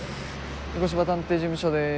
御子柴探偵事務所です。